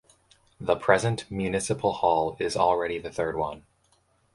The present municipal hall is already the third one.